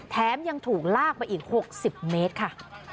แถมยังถูกลากไปอีก๖๐เมตรค่ะ